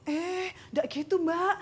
eh enggak gitu mak